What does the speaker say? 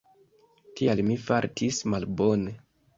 Tial mi fartis malbone.